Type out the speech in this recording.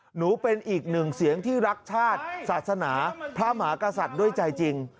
หนูเป็นอีกหนึ่งเสียงที่รักชาติศาสนาพระมหากษัตริย์ด้วยใจจริง